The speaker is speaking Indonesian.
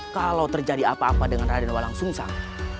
kalau terjadi apa apa dengan raden walangsungsang